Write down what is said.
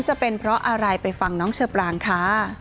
จะเป็นเพราะอะไรไปฟังน้องเชอปรางค่ะ